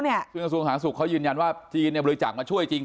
กระทรวงสาธารสุขเขายืนยันว่าจีนบริจาคมาช่วยจริง